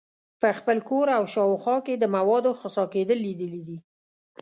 په خپل کور او شاوخوا کې د موادو خسا کیدل لیدلي دي.